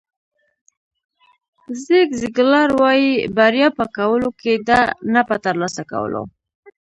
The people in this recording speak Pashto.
زیګ زیګلار وایي بریا په کولو کې ده نه په ترلاسه کولو.